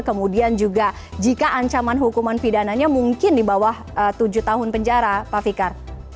kemudian juga jika ancaman hukuman pidananya mungkin di bawah tujuh tahun penjara pak fikar